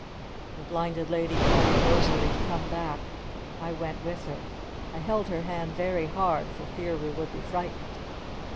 The Blinded Lady called Rosalee to come back. I went with her. I held her hand very hard for fear we would be frightened.